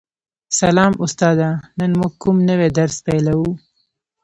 سلام استاده نن موږ کوم نوی درس پیلوو